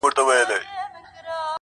ټول دردونه یې په حکم دوا کېږي!.